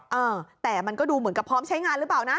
เออแต่มันก็ดูเหมือนกับพร้อมใช้งานหรือเปล่านะ